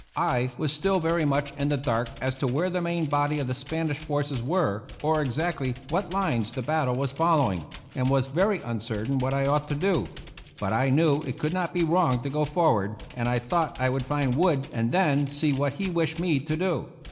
I was still very much in the dark as to where the main body of the Span ish forces were, or exactly what lines the battle was following, and was very uncertain what I ought to do; but I knew it could not be wrong to go forward, and I thought I would find Wood and then see what he wished me to do.